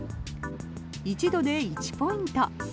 一度で１ポイント。